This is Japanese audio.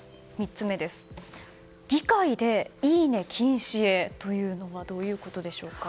３つ目、議会でいいね禁止へというのはどういうことですか。